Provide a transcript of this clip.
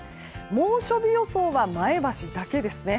猛暑日予想は前橋だけですね。